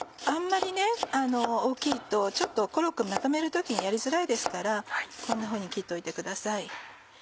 あんまり大きいとちょっとコロッケをまとめる時にやりづらいですからこんなふうに切っといてください。